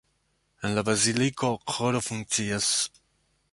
En la baziliko ĥoro funkcias.